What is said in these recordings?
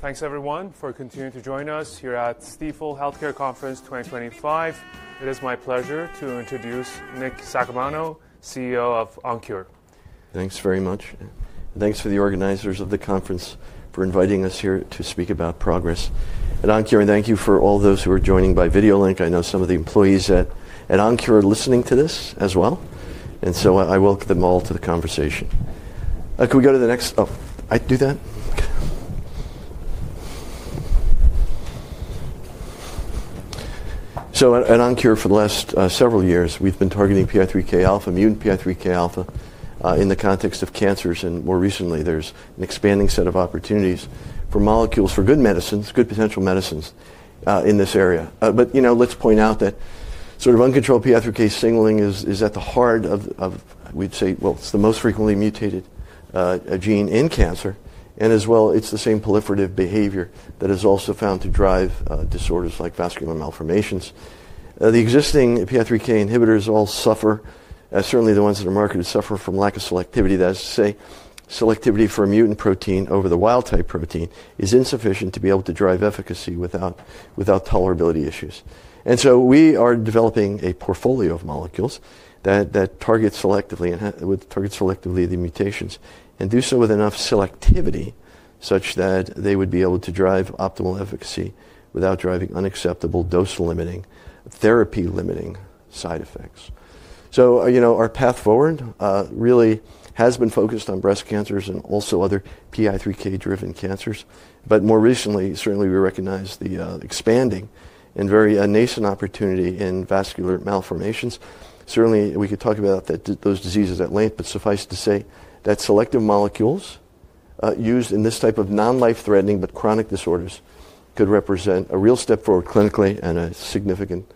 Thanks, everyone, for continuing to join us here at Stifel Healthcare Conference 2025. It is my pleasure to introduce Nick Saccomanno, CEO of OnKure. Thanks very much. Thanks to the organizers of the conference for inviting us here to speak about progress at OnKure. Thank you for all those who are joining by video link. I know some of the employees at OnKure are listening to this as well. I welcome them all to the conversation. Can we go to the next? Oh, I do that? Okay. At OnKure, for the last several years, we've been targeting PI3K alpha, immune PI3K alpha, in the context of cancers. More recently, there's an expanding set of opportunities for molecules for good medicines, good potential medicines, in this area. Let's point out that sort of uncontrolled PI3K signaling is at the heart of, we'd say, well, it's the most frequently mutated gene in cancer. It is the same proliferative behavior that is also found to drive disorders like vascular malformations. The existing PI3K inhibitors, certainly the ones that are marketed, suffer from lack of selectivity. That is to say, selectivity for a mutant protein over the wild-type protein is insufficient to be able to drive efficacy without tolerability issues. We are developing a portfolio of molecules that target selectively the mutations and do so with enough selectivity such that they would be able to drive optimal efficacy without driving unacceptable dose-limiting, therapy-limiting side effects. Our path forward really has been focused on breast cancers and also other PI3K-driven cancers. More recently, we recognize the expanding and very nascent opportunity in vascular malformations. Certainly, we could talk about those diseases at length, but suffice to say that selective molecules used in this type of non-life-threatening but chronic disorders could represent a real step forward clinically and a significant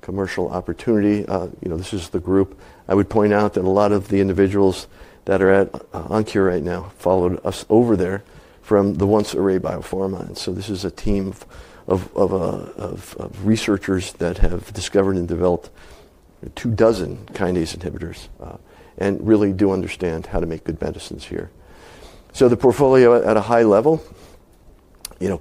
commercial opportunity. This is the group. I would point out that a lot of the individuals that are at OnKure right now followed us over there from the once Array BioPharma. And so this is a team of researchers that have discovered and developed two dozen kinase inhibitors and really do understand how to make good medicines here. So the portfolio at a high level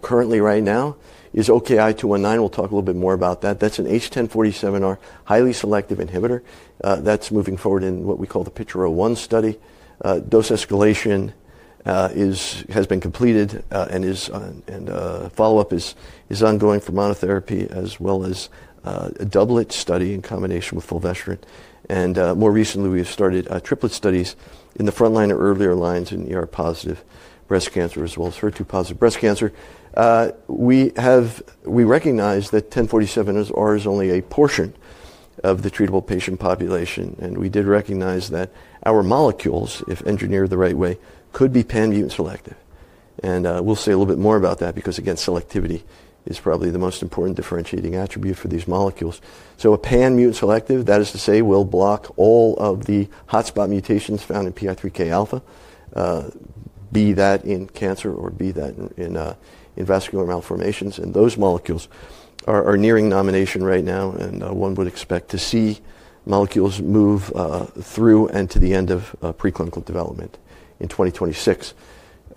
currently right now is OKI-219. We'll talk a little bit more about that. That's an H1047R highly selective inhibitor that's moving forward in what we call the PIKture-01 study. Dose escalation has been completed and follow-up is ongoing for monotherapy as well as a doublet study in combination with fulvestrant. More recently, we have started triplet studies in the frontline or earlier lines in positive breast cancer as well as HER2-positive breast cancer. We recognize that H1047R is only a portion of the treatable patient population. We did recognize that our molecules, if engineered the right way, could be pan-mutant selective. We'll say a little bit more about that because, again, selectivity is probably the most important differentiating attribute for these molecules. A pan-mutant selective, that is to say, will block all of the hotspot mutations found in PI3K alpha, be that in cancer or be that in vascular malformations. Those molecules are nearing nomination right now. One would expect to see molecules move through and to the end of preclinical development in 2026.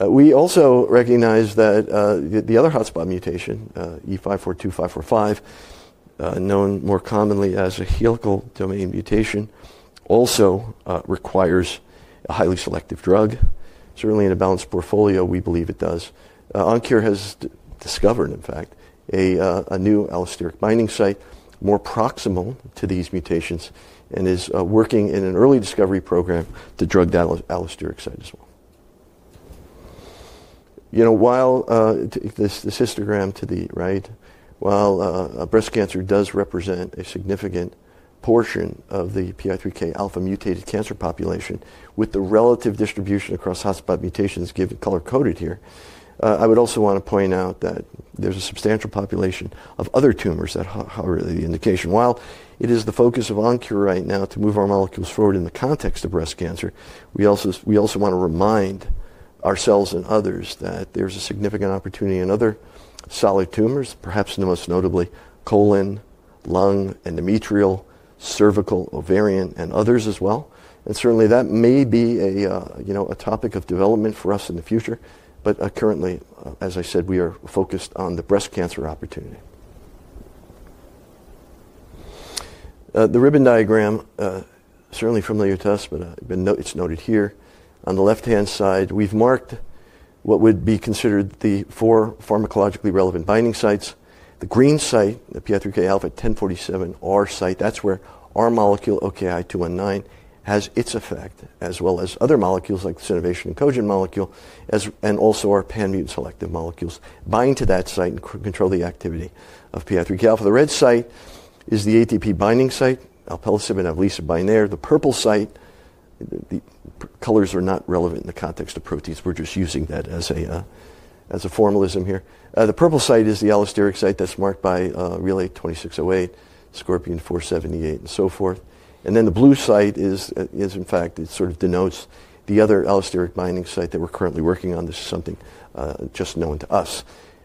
We also recognize that the other hotspot mutation, E542K, known more commonly as a helical domain mutation, also requires a highly selective drug. Certainly, in a balanced portfolio, we believe it does. OnKure has discovered, in fact, a new allosteric binding site more proximal to these mutations and is working in an early discovery program to drug that allosteric site as well. While this histogram to the right, while breast cancer does represent a significant portion of the PI3K alpha mutated cancer population with the relative distribution across hotspot mutations given color-coded here, I would also want to point out that there's a substantial population of other tumors that are the indication. While it is the focus of OnKure right now to move our molecules forward in the context of breast cancer, we also want to remind ourselves and others that there's a significant opportunity in other solid tumors, perhaps the most notably colon, lung, endometrial, cervical, ovarian, and others as well. Certainly, that may be a topic of development for us in the future. Currently, as I said, we are focused on the breast cancer opportunity. The ribbon diagram, certainly familiar to us, but it's noted here. On the left-hand side, we've marked what would be considered the four pharmacologically relevant binding sites. The green site, the PI3K alpha H1047R site, that's where our molecule OKI-219 has its effect as well as other molecules like the Synovation and Cogen molecule and also our pan-mutant selective molecules bind to that site and control the activity of PI3K alpha. The red site is the ATP binding site. Alpelisib and Avlisa bind there. The purple site, the colors are not relevant in the context of proteins. We're just using that as a formalism here. The purple site is the allosteric site that's marked by RLY-2608, Scorpion 478, and so forth. Then the blue site is, in fact, it sort of denotes the other allosteric binding site that we're currently working on. This is something just known to us.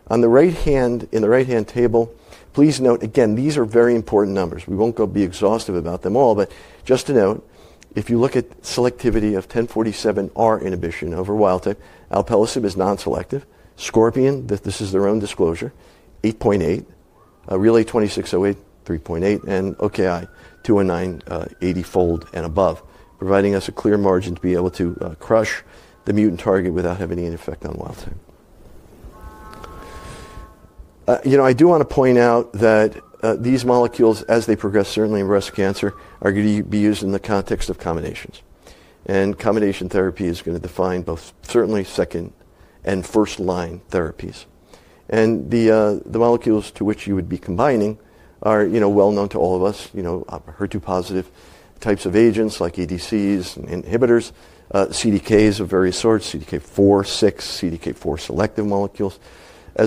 On the right hand, in the right-hand table, please note, again, these are very important numbers. We won't be exhaustive about them all. Just to note, if you look at selectivity of 1047R inhibition over wild-type, Alpelisib is non-selective. Scorpion, this is their own disclosure, 8.8. RLY-2608, 3.8. OKI-219, 80-fold and above, providing us a clear margin to be able to crush the mutant target without having any effect on wild-type. I do want to point out that these molecules, as they progress, certainly in breast cancer, are going to be used in the context of combinations. Combination therapy is going to define both certainly second and first-line therapies. The molecules to which you would be combining are well known to all of us, HER2-positive types of agents like ADCs and inhibitors, CDKs of various sorts, CDK4, 6, CDK4 selective molecules, as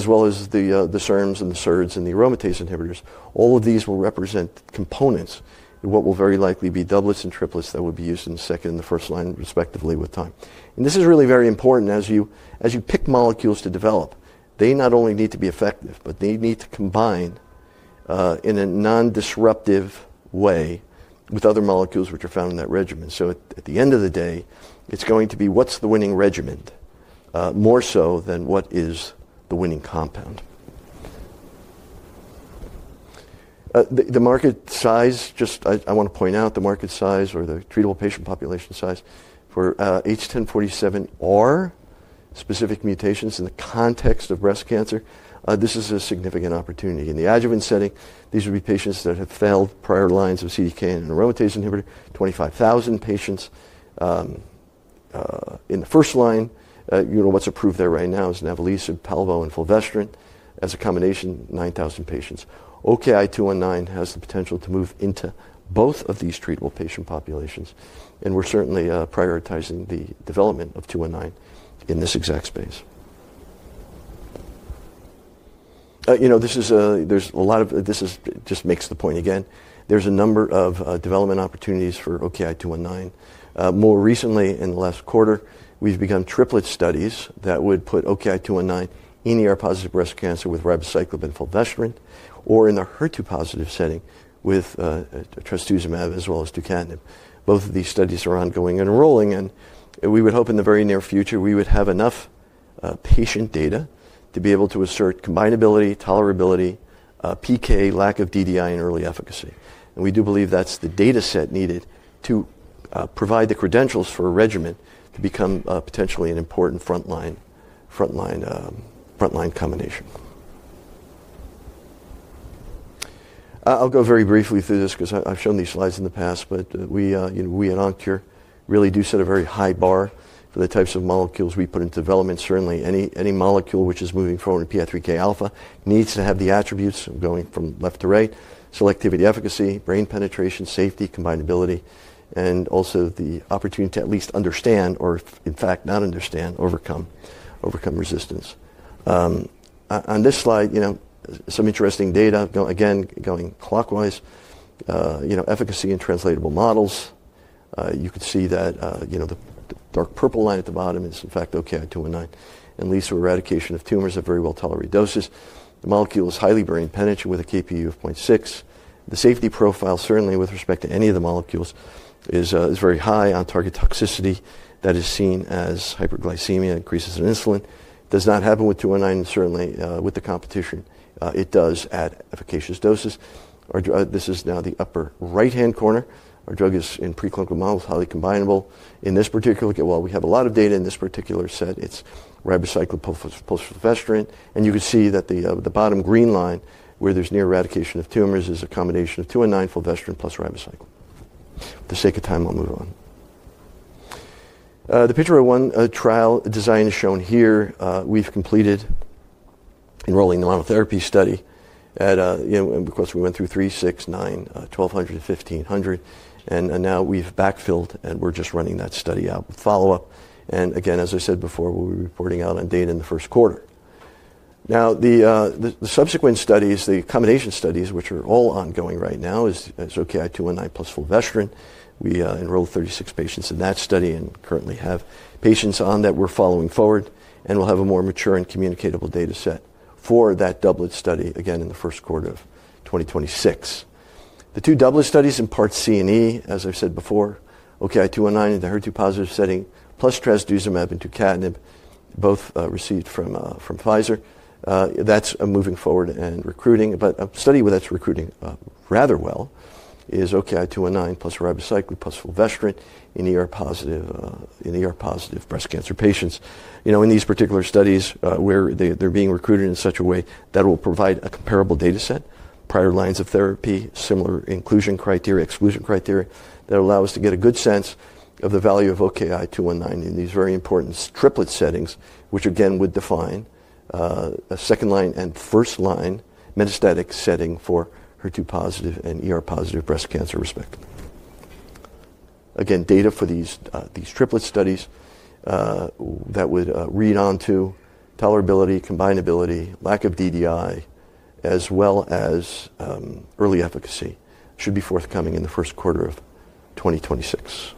well as the CERMs and the SERDs and the aromatase inhibitors. All of these will represent components of what will very likely be doublets and triplets that will be used in the second and the first line, respectively, with time. This is really very important. As you pick molecules to develop, they not only need to be effective, but they need to combine in a non-disruptive way with other molecules which are found in that regimen. At the end of the day, it's going to be what's the winning regimen more so than what is the winning compound. The market size, just I want to point out the market size or the treatable patient population size for H1047R specific mutations in the context of breast cancer, this is a significant opportunity. In the adjuvant setting, these would be patients that have failed prior lines of CDK and aromatase inhibitor, 25,000 patients in the first line. What's approved there right now is Inavolisib, Palbociclib, and Fulvestrant as a combination, 9,000 patients. OKI-219 has the potential to move into both of these treatable patient populations. We are certainly prioritizing the development of 219 in this exact space. This just makes the point again. There are a number of development opportunities for OKI-219. More recently, in the last quarter, we have begun triplet studies that would put OKI-219 in positive breast cancer with ribociclib and fulvestrant, or in a HER2-positive setting with trastuzumab as well as tucatinib. Both of these studies are ongoing and enrolling. We would hope in the very near future we would have enough patient data to be able to assert combinability, tolerability, PK, lack of DDI, and early efficacy. We do believe that is the data set needed to provide the credentials for a regimen to become potentially an important frontline combination. I will go very briefly through this because I have shown these slides in the past. We at OnKure really do set a very high bar for the types of molecules we put into development. Certainly, any molecule which is moving forward in PI3K alpha needs to have the attributes going from left to right: selectivity, efficacy, brain penetration, safety, combinability, and also the opportunity to at least understand or, in fact, not understand, overcome resistance. On this slide, some interesting data, again, going clockwise, efficacy in translatable models. You could see that the dark purple line at the bottom is, in fact, OKI-219, and leads to eradication of tumors at very well-tolerated doses. The molecule is highly brain penetrant with a Kpu of 0.6. The safety profile, certainly with respect to any of the molecules, is very high on target toxicity that is seen as hyperglycemia, increases in insulin. Does not happen with 219, certainly with the competition. It does at efficacious doses. This is now the upper right-hand corner. Our drug is in preclinical models, highly combinable. In this particular, while we have a lot of data in this particular set, it's ribociclib plus fulvestrant. You can see that the bottom green line where there's near eradication of tumors is a combination of 219, fulvestrant, plus ribociclib. For the sake of time, I'll move on. The PIKture-01 trial design is shown here. We've completed enrolling monotherapy study at, of course, we went through 3, 6, 9, 1200, and 1500. Now we've backfilled, and we're just running that study out with follow-up. Again, as I said before, we'll be reporting out on data in the first quarter. The subsequent studies, the combination studies, which are all ongoing right now, is OKI-219 plus fulvestrant. We enrolled 36 patients in that study and currently have patients on that we're following forward. We will have a more mature and communicatable data set for that doublet study, again, in the first quarter of 2026. The two doublet studies in part C and E, as I have said before, OKI-219 in the HER2-positive setting plus trastuzumab and tucatinib, both received from Pfizer. That is moving forward and recruiting. A study that is recruiting rather well is OKI-219 plus ribociclib plus fulvestrant in positive breast cancer patients. In these particular studies, they are being recruited in such a way that it will provide a comparable data set, prior lines of therapy, similar inclusion criteria, exclusion criteria that allow us to get a good sense of the value of OKI-219 in these very important triplet settings, which again would define a second line and first line metastatic setting for HER2-positive and positive breast cancer, respectively. Again, data for these triplet studies that would read on to tolerability, combinability, lack of DDI, as well as early efficacy should be forthcoming in the first quarter of 2026.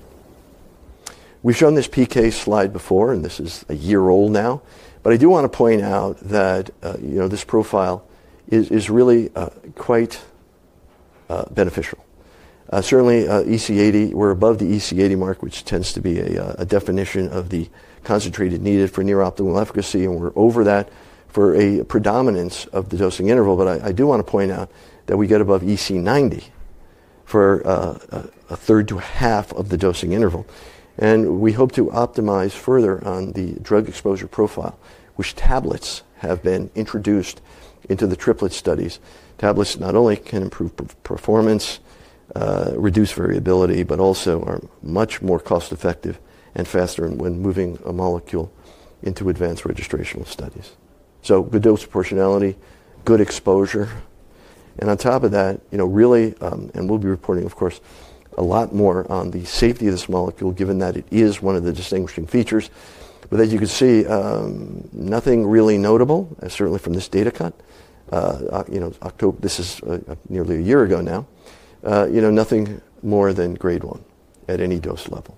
We've shown this PK slide before, and this is a year old now. I do want to point out that this profile is really quite beneficial. Certainly, EC80, we're above the EC80 mark, which tends to be a definition of the concentration needed for near optimal efficacy. We're over that for a predominance of the dosing interval. I do want to point out that we get above EC90 for a third to a half of the dosing interval. We hope to optimize further on the drug exposure profile, which tablets have been introduced into the triplet studies. Tablets not only can improve performance, reduce variability, but also are much more cost-effective and faster when moving a molecule into advanced registrational studies. Good dose proportionality, good exposure. On top of that, really, and we'll be reporting, of course, a lot more on the safety of this molecule, given that it is one of the distinguishing features. As you can see, nothing really notable, certainly from this data cut, this is nearly a year ago now, nothing more than grade 1 at any dose level.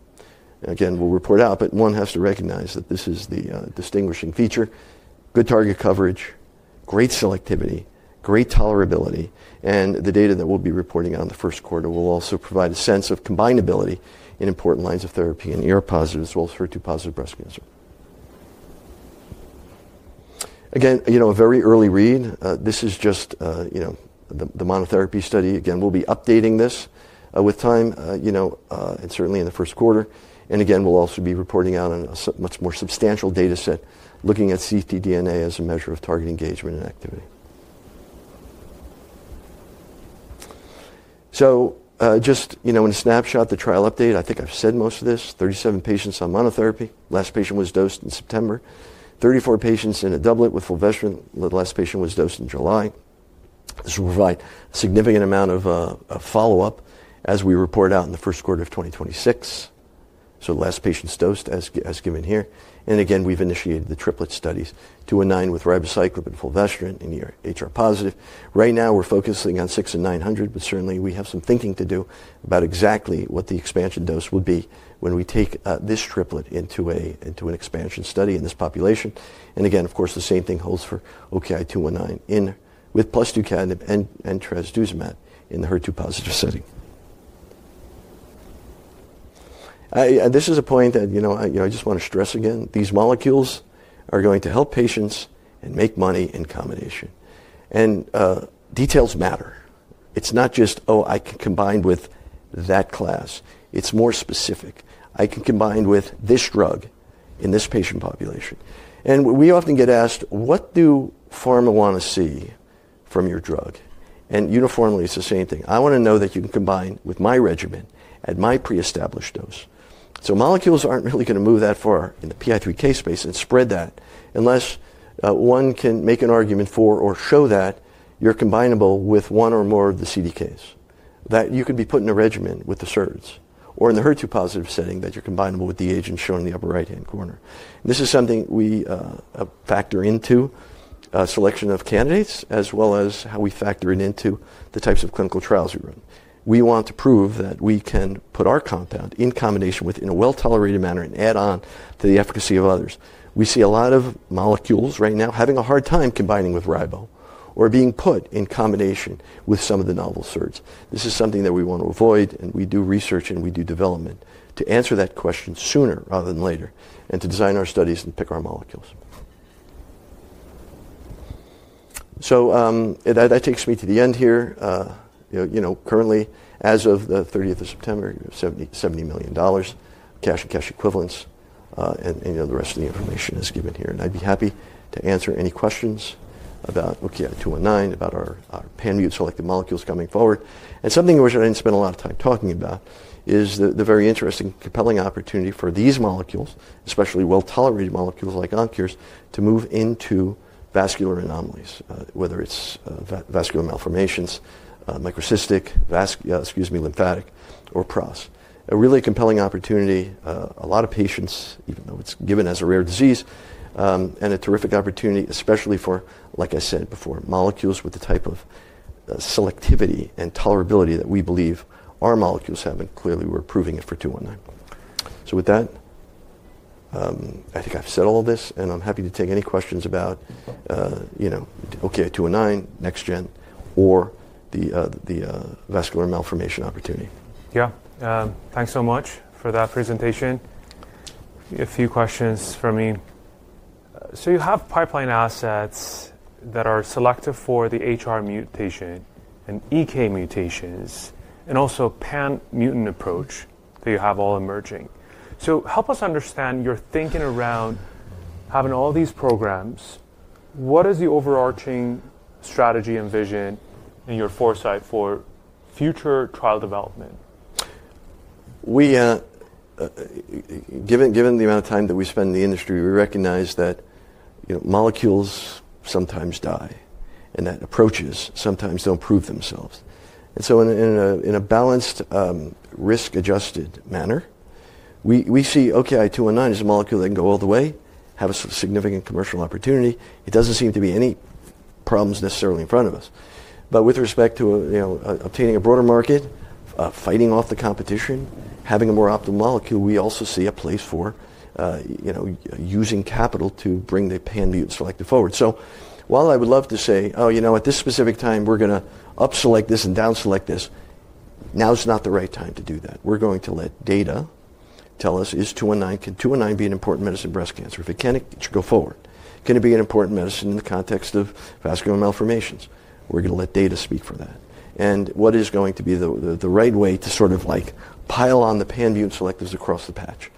Again, we'll report out. One has to recognize that this is the distinguishing feature: good target coverage, great selectivity, great tolerability. The data that we'll be reporting on the first quarter will also provide a sense of combinability in important lines of therapy in positive as well as HER2-positive breast cancer. Again, a very early read. This is just the monotherapy study. Again, we'll be updating this with time, certainly in the first quarter. Again, we'll also be reporting out on a much more substantial data set looking at ctDNA as a measure of target engagement and activity. Just in a snapshot, the trial update, I think I've said most of this: 37 patients on monotherapy. Last patient was dosed in September. 34 patients in a doublet with fulvestrant. The last patient was dosed in July to provide a significant amount of follow-up as we report out in the first quarter of 2026. Last patient's dosed as given here. Again, we've initiated the triplet studies: 219 with ribociclib and fulvestrant in HR positive. Right now, we're focusing on 6 and 900. Certainly, we have some thinking to do about exactly what the expansion dose would be when we take this triplet into an expansion study in this population. Again, of course, the same thing holds for OKI-219 plus Tucatinib and Trastuzumab in the HER2-positive setting. This is a point that I just want to stress again. These molecules are going to help patients and make money in combination. Details matter. It is not just, "Oh, I can combine with that class." It is more specific. I can combine with this drug in this patient population. We often get asked, "What do pharma want to see from your drug?" Uniformly, it is the same thing. I want to know that you can combine with my regimen at my pre-established dose. Molecules are not really going to move that far in the PI3K space and spread that unless one can make an argument for or show that you are combinable with one or more of the CDKs, that you could be put in a regimen with the SERDs, or in the HER2-positive setting that you are combinable with the agent shown in the upper right-hand corner. This is something we factor into selection of candidates as well as how we factor it into the types of clinical trials we run. We want to prove that we can put our compound in combination with, in a well-tolerated manner, and add on to the efficacy of others. We see a lot of molecules right now having a hard time combining with Ribo or being put in combination with some of the novel SERDs. This is something that we want to avoid. We do research, and we do development to answer that question sooner rather than later and to design our studies and pick our molecules. That takes me to the end here. Currently, as of the 30th of September, $70 million cash and cash equivalents. The rest of the information is given here. I'd be happy to answer any questions about OKI-219, about our pan-immunoselective molecules coming forward. Something which I did not spend a lot of time talking about is the very interesting, compelling opportunity for these molecules, especially well-tolerated molecules like OnKure's, to move into vascular anomalies, whether it is vascular malformations, microcystic, lymphatic, or PROS. A really compelling opportunity. A lot of patients, even though it's given as a rare disease, and a terrific opportunity, especially for, like I said before, molecules with the type of selectivity and tolerability that we believe our molecules have and clearly we're proving it for 219. With that, I think I've said all of this. I'm happy to take any questions about OKI-219, NextGen, or the vascular malformation opportunity. Yeah. Thanks so much for that presentation. A few questions for me. You have pipeline assets that are selective for the H1047R mutation and E542K mutations and also pan-mutant approach that you have all emerging. Help us understand your thinking around having all these programs. What is the overarching strategy and vision and your foresight for future trial development? Given the amount of time that we spend in the industry, we recognize that molecules sometimes die and that approaches sometimes do not prove themselves. In a balanced, risk-adjusted manner, we see OKI-219 as a molecule that can go all the way, have a significant commercial opportunity. It does not seem to be any problems necessarily in front of us. With respect to obtaining a broader market, fighting off the competition, having a more optimal molecule, we also see a place for using capital to bring the pan-mutant selective forward. While I would love to say, "Oh, you know at this specific time, we are going to upselect this and downselect this," now is not the right time to do that. We are going to let data tell us, "Is 219, can 219 be an important medicine in breast cancer? If it can, it should go forward. Can it be an important medicine in the context of vascular malformations? We're going to let data speak for that. What is going to be the right way to sort of pile on the pan-mutant selectives across the patch?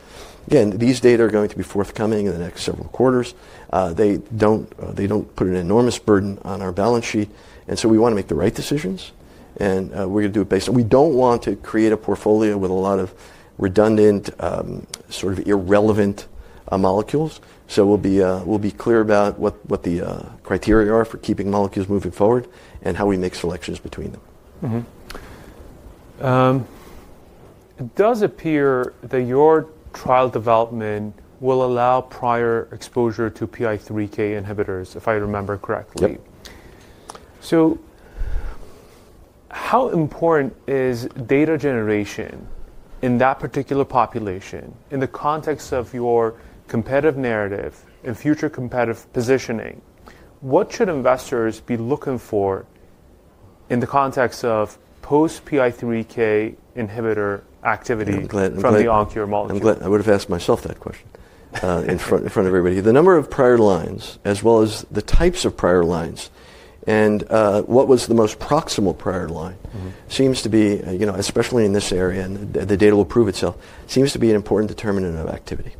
These data are going to be forthcoming in the next several quarters. They do not put an enormous burden on our balance sheet. We want to make the right decisions. We are going to do it based on we do not want to create a portfolio with a lot of redundant, sort of irrelevant molecules. We will be clear about what the criteria are for keeping molecules moving forward and how we make selections between them. It does appear that your trial development will allow prior exposure to PI3K inhibitors, if I remember correctly. Yep. How important is data generation in that particular population in the context of your competitive narrative and future competitive positioning? What should investors be looking for in the context of post-PI3K inhibitor activity from the OnKure molecule? I'm glad. I would have asked myself that question in front of everybody. The number of prior lines, as well as the types of prior lines and what was the most proximal prior line, seems to be, especially in this area, and the data will prove itself, seems to be an important determinant of activity.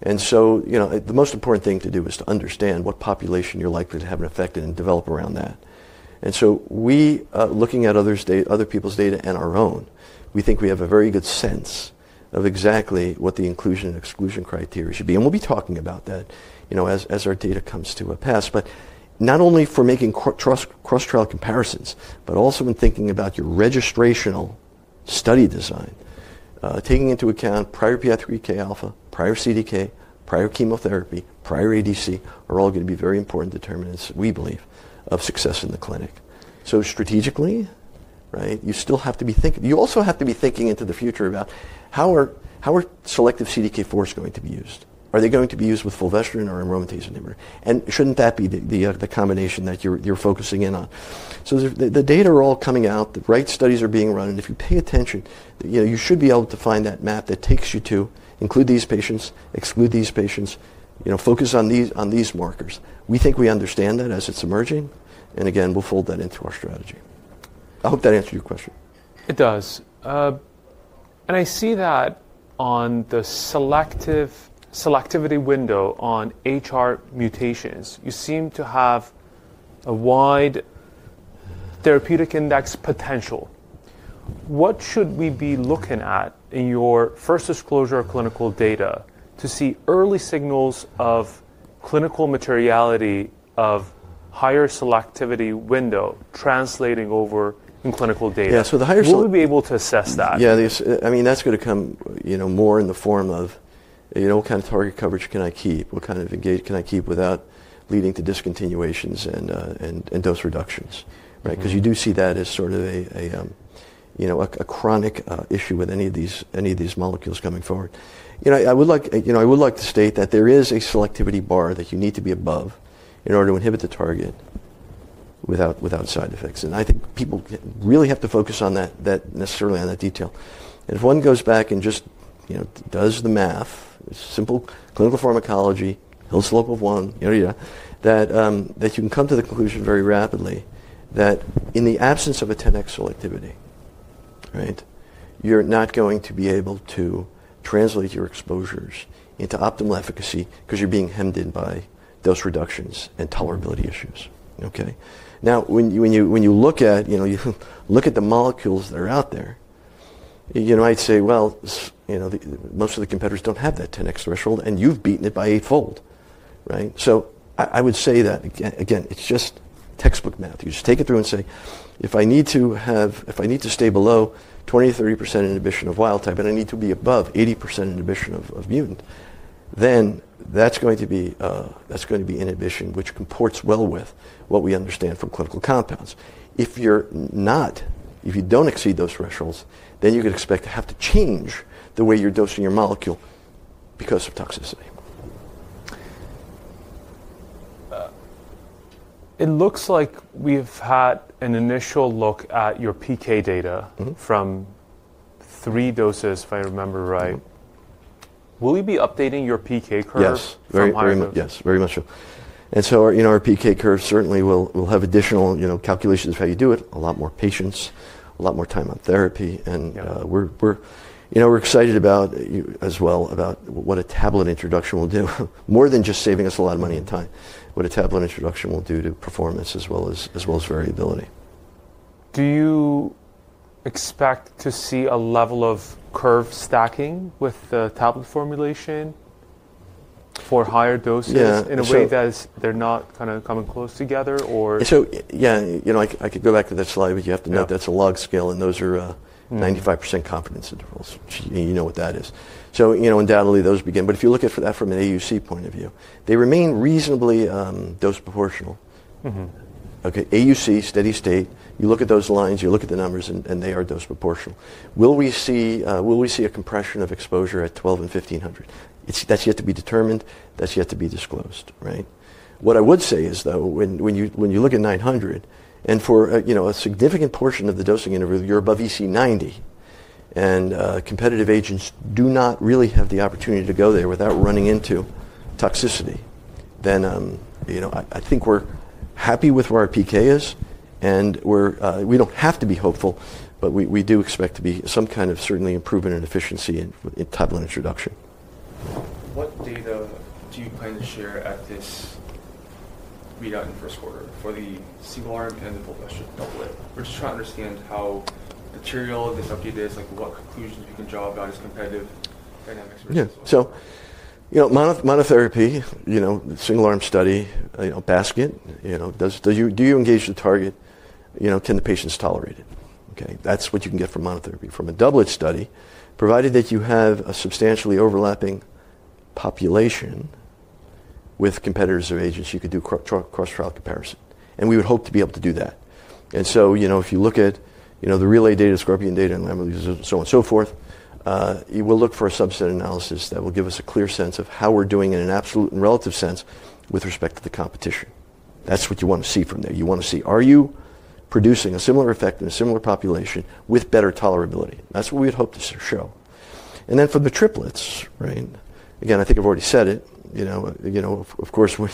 The most important thing to do is to understand what population you're likely to have an effect and develop around that. Looking at other people's data and our own, we think we have a very good sense of exactly what the inclusion and exclusion criteria should be. We'll be talking about that as our data comes to a pass. Not only for making cross-trial comparisons, but also when thinking about your registrational study design, taking into account prior PI3K alpha, prior CDK, prior chemotherapy, prior ADC are all going to be very important determinants, we believe, of success in the clinic. Strategically, you still have to be thinking you also have to be thinking into the future about how are selective CDK4s going to be used? Are they going to be used with fulvestrant or aromatase inhibitor? And shouldn't that be the combination that you're focusing in on? The data are all coming out. The right studies are being run. If you pay attention, you should be able to find that map that takes you to include these patients, exclude these patients, focus on these markers. We think we understand that as it's emerging. Again, we'll fold that into our strategy. I hope that answered your question. It does. I see that on the selectivity window on HR mutations, you seem to have a wide therapeutic index potential. What should we be looking at in your first disclosure of clinical data to see early signals of clinical materiality of higher selectivity window translating over in clinical data? Yes. With the higher selectivity. When will we be able to assess that? Yeah. I mean, that's going to come more in the form of what kind of target coverage can I keep? What kind of engagement can I keep without leading to discontinuations and dose reductions? Because you do see that as sort of a chronic issue with any of these molecules coming forward. I would like to state that there is a selectivity bar that you need to be above in order to inhibit the target without side effects. I think people really have to focus on that, necessarily on that detail. If one goes back and just does the math, simple clinical pharmacology, Hill's Law of One, you can come to the conclusion very rapidly that in the absence of a 10x selectivity, you're not going to be able to translate your exposures into optimal efficacy because you're being hemmed in by dose reductions and tolerability issues. Now, when you look at the molecules that are out there, I'd say most of the competitors don't have that 10x threshold. And you've beaten it by a fold. I would say that, again, it's just textbook math. You just take it through and say, if I need to stay below 20%-30% inhibition of wild type, and I need to be above 80% inhibition of mutant, then that's going to be inhibition which comports well with what we understand for clinical compounds. If you don't exceed those thresholds, then you could expect to have to change the way you're dosing your molecule because of toxicity. It looks like we've had an initial look at your PK data from three doses, if I remember right. Will we be updating your PK curve? Yes. From IRMAP? Yes. Very much so. Our PK curve certainly will have additional calculations of how you do it, a lot more patients, a lot more time on therapy. We are excited, as well, about what a tablet introduction will do, more than just saving us a lot of money and time, what a tablet introduction will do to performance as well as variability. Do you expect to see a level of curve stacking with the tablet formulation for higher doses in a way that they're not kind of coming close together? Yeah, I could go back to that slide. You have to note that's a log scale, and those are 95% confidence intervals, which you know what that is. Undoubtedly, those begin. If you look at that from an AUC point of view, they remain reasonably dose proportional. AUC, steady state, you look at those lines, you look at the numbers, and they are dose proportional. Will we see a compression of exposure at 1,200 and 1,500? That's yet to be determined. That's yet to be disclosed. What I would say is, though, when you look at 900, and for a significant portion of the dosing interval, you're above EC90. Competitive agents do not really have the opportunity to go there without running into toxicity. I think we're happy with where our PK is, and we don't have to be hopeful. We do expect to be some kind of certainly improvement in efficiency in tablet introduction. What data do you plan to share at this readout in the first quarter for the single-arm and the full-fledged double-ed? We're just trying to understand how material this update is, what conclusions we can draw about its competitive dynamics versus. Yeah. Monotherapy, single-arm study, basket, do you engage the target? Can the patients tolerate it? That is what you can get from monotherapy. From a double-ed study, provided that you have a substantially overlapping population with competitors or agents, you could do cross-trial comparison. We would hope to be able to do that. If you look at the Relay data, Scorpion data, and Inavolisib, and so on and so forth, we will look for a subset analysis that will give us a clear sense of how we are doing in an absolute and relative sense with respect to the competition. That is what you want to see from there. You want to see, are you producing a similar effect in a similar population with better tolerability? That is what we would hope to show. For the triplets, again, I think I have already said it. Of course, the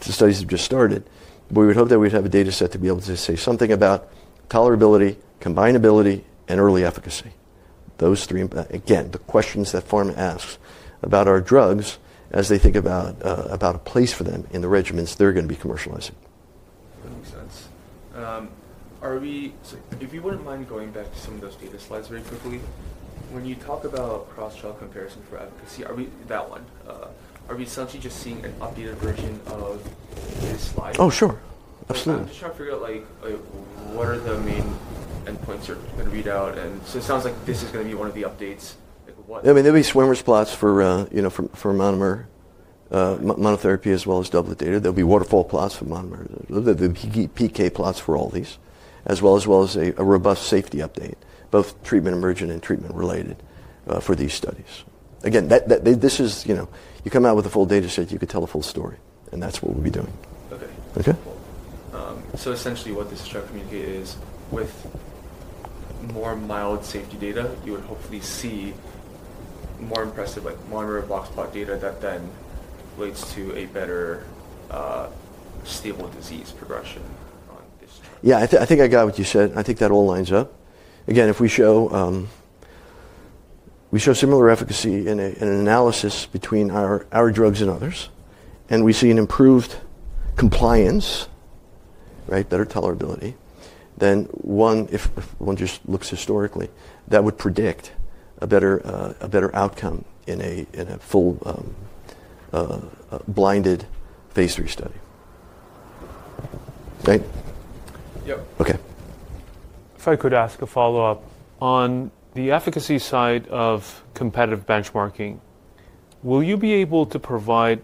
studies have just started. We would hope that we'd have a data set to be able to say something about tolerability, combinability, and early efficacy. Those three, again, the questions that Pharma asks about our drugs as they think about a place for them in the regimens they're going to be commercializing. That makes sense. If you wouldn't mind going back to some of those data slides very quickly, when you talk about cross-trial comparison for efficacy, that one, are we essentially just seeing an updated version of this slide? Oh, sure. Absolutely. I'm just trying to figure out what are the main endpoints you're going to read out. It sounds like this is going to be one of the updates. I mean, there'll be swimmers plots for monomer monotherapy as well as double-ed data. There'll be waterfall plots for monomer, PK plots for all these, as well as a robust safety update, both treatment emergent and treatment related for these studies. Again, you come out with a full data set, you could tell a full story. That's what we'll be doing. OK. Essentially, what this is trying to communicate is with more mild safety data, you would hopefully see more impressive monomer block spot data that then relates to a better stable disease progression on this drug. Yeah. I think I got what you said. I think that all lines up. Again, if we show similar efficacy in an analysis between our drugs and others, and we see an improved compliance, better tolerability, then one, if one just looks historically, that would predict a better outcome in a full blinded phase III study. Right? Yep. OK. If I could ask a follow-up. On the efficacy side of competitive benchmarking, will you be able to provide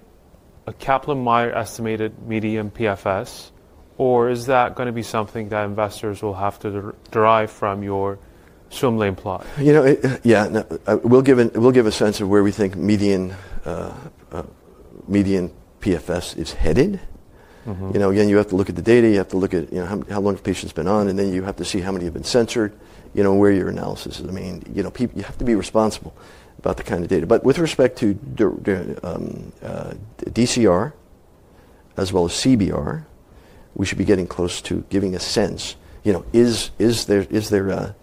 a Kaplan-Meier estimated median PFS? Or is that going to be something that investors will have to derive from your swim lane plot? Yeah. We'll give a sense of where we think median PFS is headed. Again, you have to look at the data. You have to look at how long the patient's been on. I mean, you have to see how many have been censored, where your analysis is. You have to be responsible about the kind of data. With respect to DCR as well as CBR, we should be getting close to giving a sense, is the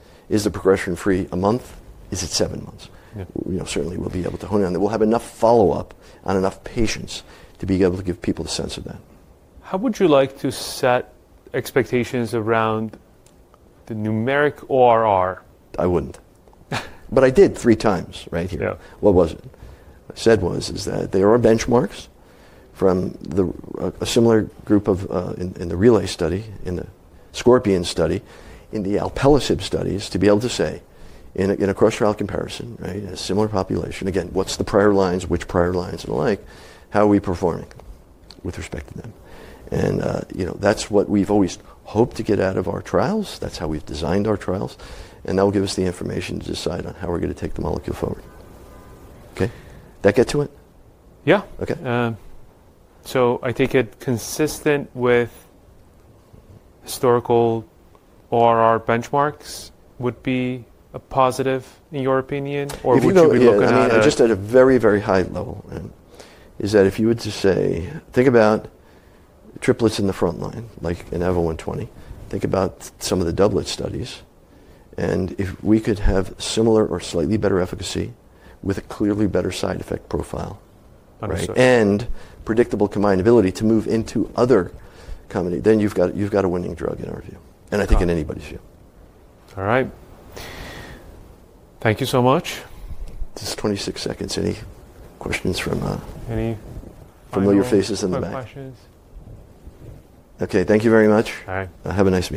progression free a month? Is it seven months? Certainly, we'll be able to hone in on that. We'll have enough follow-up on enough patients to be able to give people a sense of that. How would you like to set expectations around the numeric ORR? I wouldn't. But I did three times right here. What was it? I said was that there are benchmarks from a similar group in the Relay study, in the Scorpion study, in the Alpelisib studies to be able to say, in a cross-trial comparison, in a similar population, again, what's the prior lines, which prior lines, and the like, how are we performing with respect to them? That's what we've always hoped to get out of our trials. That's how we've designed our trials. That will give us the information to decide on how we're going to take the molecule forward. Does that get to it? Yeah. So I take it consistent with historical ORR benchmarks would be a positive, in your opinion, or would you be looking at? I think we could just at a very, very high level is that if you were to say, think about triplets in the front line, like in EVO-120. Think about some of the double-ed studies. If we could have similar or slightly better efficacy with a clearly better side effect profile and predictable combinability to move into other companies, then you've got a winning drug in our view, and I think in anybody's view. All right. Thank you so much. Just 26 seconds. Any questions from familiar faces in the back? No questions. OK. Thank you very much. All right. Have a nice day.